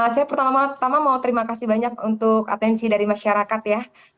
saya pertama tama mau terima kasih banyak untuk atensi dari masyarakat ya